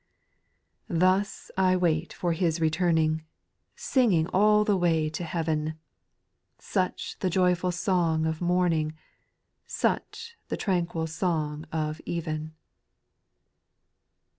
5. Thus I wait for His returning, Singing all the way to heaven ; Such the joyful song of morning, Such the tranquil song of even.